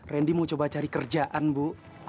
randy mau coba cari kerjaan bu